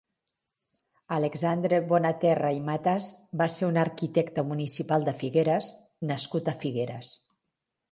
Alexandre Bonaterra i Matas va ser un arquitecte municipal de Figueres nascut a Figueres.